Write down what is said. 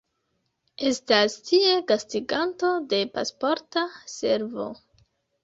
Estas tie gastiganto de Pasporta Servo.